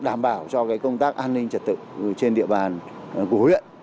đảm bảo cho công tác an ninh trật tự trên địa bàn của huyện